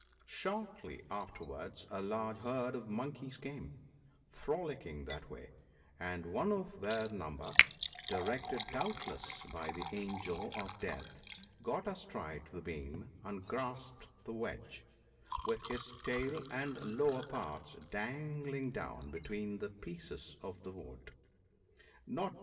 Shortly afterwards a large herd of monkeys came frolicking that way, and one of their number, directed doubtless by the Angel of death, got astride the beam, and grasped the wedge, with his tail and lower parts dangling down between the pieces of the .wood. Not